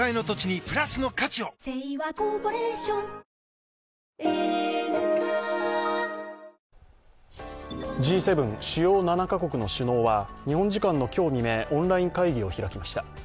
Ｇ７＝先進７カ国の首脳は日本時間の今日未明オンライン会議を開きました。